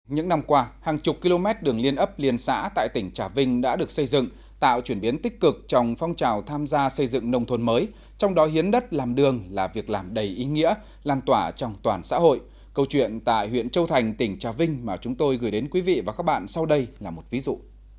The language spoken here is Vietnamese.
những năm qua hàng chục km đường liên ấp liên xã tại tỉnh trà vinh đã được xây dựng tạo chuyển biến tích cực trong phong trào tham gia xây dựng nông thôn mới trong đó hiến đất làm đường là việc làm đầy ý nghĩa lan tỏa trong toàn xã hội câu chuyện tại huyện châu thành tỉnh trà vinh mà chúng tôi gửi đến quý vị và các bạn sau đây là một ví dụ